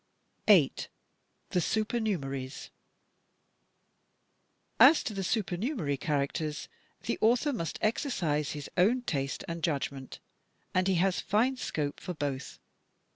8, The Supernumeraries As to the supemiunerary characters, the author must exer cise his own taste and judgment, and he has fine scope for both.